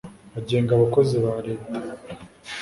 agenga abakozi ba Leta